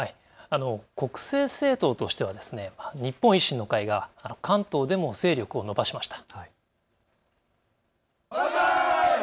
国政政党としては日本維新の会が関東でも勢力を伸ばしました。